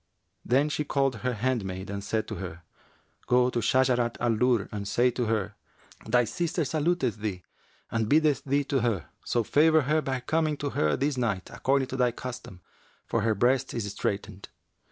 Then she called her handmaid and said to her, 'Go to Shajarat al Durr and say to her, 'Thy sister saluteth thee and biddeth thee to her; so favour her by coming to her this night, according to thy custom, for her breast is straitened.'